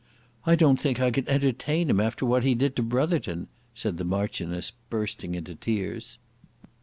"I don't think I could entertain him after what he did to Brotherton," said the Marchioness, bursting into tears.